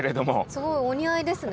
すごいお似合いですね。